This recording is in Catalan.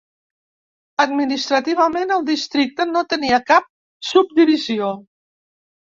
Administrativament el districte no tenia cap subdivisió.